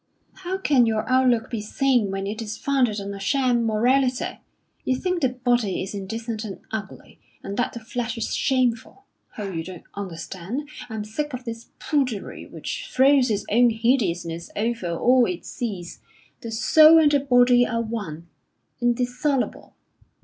How can your outlook be sane when it is founded on a sham morality? You think the body is indecent and ugly, and that the flesh is shameful. Oh, you don't understand. I'm sick of this prudery which throws its own hideousness over all it sees. The soul and the body are one, indissoluble.